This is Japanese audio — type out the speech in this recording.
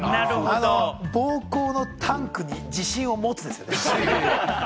膀胱のタンクに自信を持つです。